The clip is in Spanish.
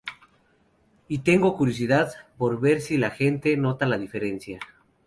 Y tengo curiosidad por ver si la gente nota la diferencia.